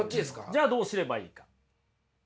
じゃあどうすればいいか。